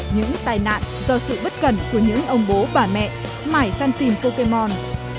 những tài nạn do sự bất cẩn của những ông bố bà mẹ mãi săn tìm pokemon